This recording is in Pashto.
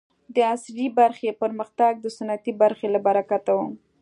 د عصري برخې پرمختګ د سنتي برخې له برکته و.